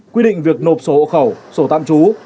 quy định việc nộp sổ hộ khẩu sổ tạm trú